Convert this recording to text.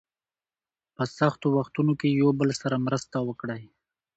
په سختو وختونو کې یو بل سره مرسته وکړئ.